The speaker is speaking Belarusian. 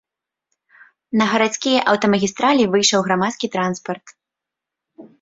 На гарадскія аўтамагістралі выйшаў грамадскі транспарт.